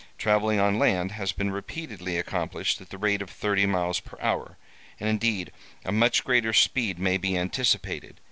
Travelling on land has been repeatedly accomplished at the rate of thirty miles per hour, and indeed a much greater speed may be anticipated.